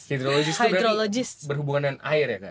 hidrologis tuh berhubungan dengan air ya kak